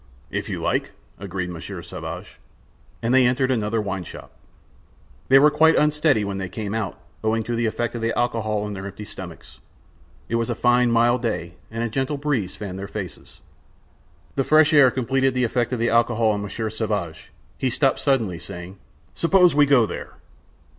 "If you like," agreed Monsieur Sauvage. And they entered another wine shop. They were quite unsteady when they came out, owing to the effect of the alcohol on their empty stomachs. It was a fine, mild day, and a gentle breeze fanned their faces. The fresh air completed the effect of the alcohol on Monsieur Sauvage. He stopped suddenly, saying: "Suppose we go there?"